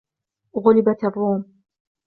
غلبت الروم